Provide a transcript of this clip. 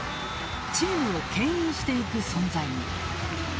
チームを牽引していく存在に。